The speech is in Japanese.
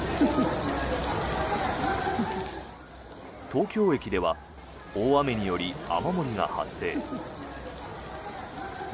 東京駅では大雨により雨漏りが発生。